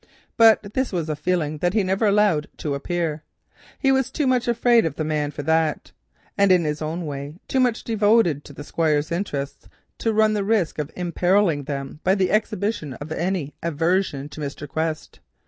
But this was a feeling which he never allowed to appear; he was too much afraid of the man for that, and in his queer way too much devoted to the old Squire's interests to run the risk of imperilling them by the exhibition of any aversion to Mr. Quest.